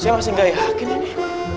saya masih gak yakin ini